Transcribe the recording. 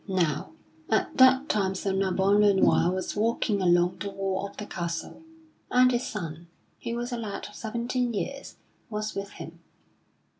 Now at that time Sir Nabon le Noir was walking along the wall of the castle, and his son, who was a lad of seventeen years, was with him.